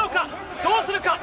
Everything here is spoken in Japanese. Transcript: どうするか？